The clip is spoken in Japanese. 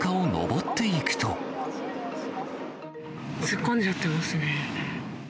突っ込んじゃってますね。